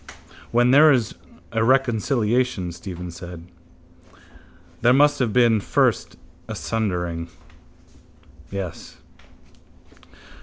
—Where there is a reconciliation, Stephen said, there must have been first a sundering. —Yes.